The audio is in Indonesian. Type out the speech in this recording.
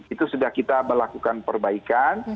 itu sudah kita melakukan perbaikan